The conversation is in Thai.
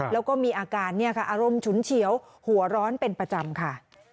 แล้วก็มีอาการอารมณ์ฉุนเฉียวหัวร้อนเป็นประจำค่ะ